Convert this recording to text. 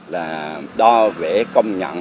là đo vẽ công nhận